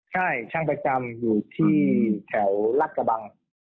ใช่ช่างประจำอยู่ที่แถวรัฐกระบัง